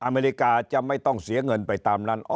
อเมริกาจะไม่ต้องเสียเงินไปตามนั้น